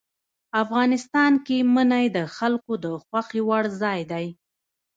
افغانستان کې منی د خلکو د خوښې وړ ځای دی.